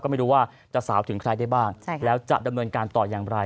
ไม่รู้ว่าจะสาวถึงใครได้บ้างแล้วจะดำเนินการต่ออย่างไร